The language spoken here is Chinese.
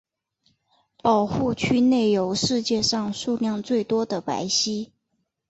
保护区内有世界上数量最多的白犀。